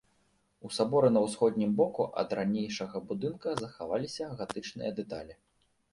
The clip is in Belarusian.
У саборы на ўсходнім боку ад ранейшага будынка захаваліся гатычныя дэталі.